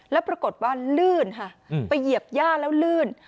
แล้วปรากฏว่าลื่นค่ะไปเหยียบย่าแล้วลื่น